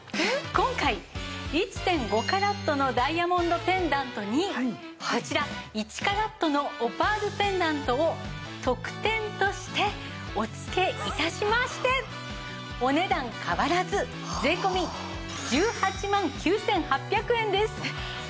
今回１．５カラットのダイヤモンドペンダントにこちら１カラットのオパールペンダントを特典としてお付け致しましてお値段変わらず税込１８万９８００円です！